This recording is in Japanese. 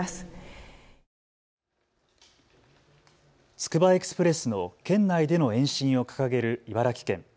つくばエクスプレスの県内での延伸を掲げる茨城県。